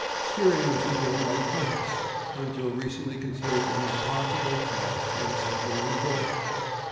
Steering must be done by compass; until recently considered an impossible task in a submarine boat.